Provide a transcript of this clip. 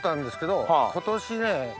今年ね